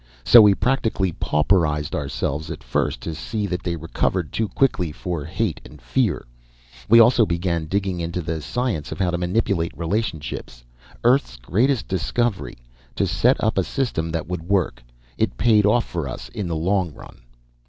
So we practically pauperized ourselves at first to see that they recovered too quickly for hate and fear. We also began digging into the science of how to manipulate relationships Earth's greatest discovery to set up a system that would work. It paid off for us in the long run."